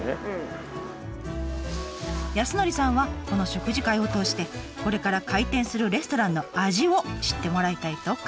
康典さんはこの食事会を通してこれから開店するレストランの味を知ってもらいたいと考えていました。